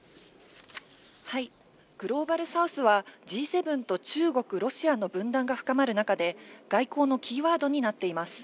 グローバルサウスは、Ｇ７と中国、ロシアの分断が深まる中で、外交のキーワードになっています。